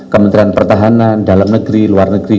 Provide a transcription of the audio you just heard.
kementerian pertahanan dalam negeri luar negeri